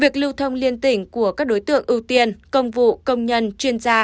việc lưu thông liên tỉnh của các đối tượng ưu tiên công vụ công nhân chuyên gia